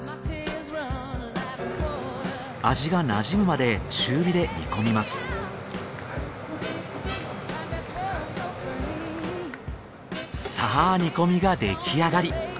味がなじむまで中火で煮込みますさあ煮込みが出来上がり。